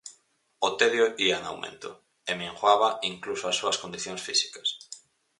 O tedio ía en aumento, e minguaba incluso as súas condicións físicas!